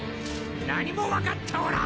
何も分かっておらん！